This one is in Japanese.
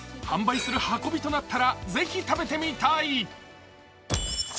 販売する運びとなったら是非食べてみたい！